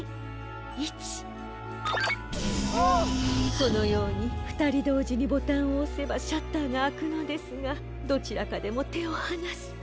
このようにふたりどうじにボタンをおせばシャッターがあくのですがどちらかでもてをはなすと。